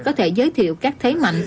có thể giới thiệu các thế mạnh